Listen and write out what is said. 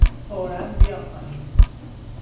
فورا بیا پایین!